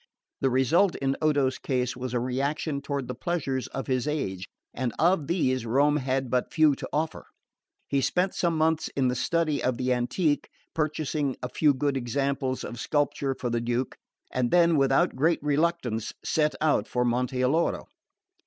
The result in Odo's case was a reaction toward the pleasures of his age; and of these Rome had but few to offer. He spent some months in the study of the antique, purchasing a few good examples of sculpture for the Duke, and then, without great reluctance, set out for Monte Alloro.